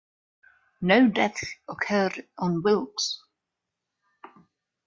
No deaths occurred on "Wilkes".